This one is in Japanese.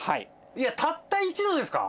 いやたった１度ですか？